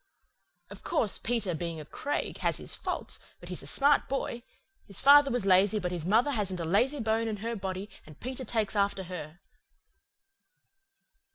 Of course, Peter, being a Craig, has his faults, but he's a smart boy. His father was lazy but his mother hasn't a lazy bone in her body, and Peter takes after her."